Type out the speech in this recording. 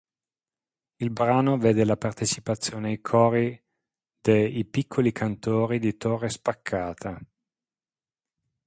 Il brano vede la partecipazione ai cori de I Piccoli Cantori di Torre Spaccata.